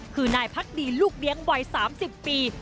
คือนายพักดีลูกเลี้ยงวัย๓๐ปี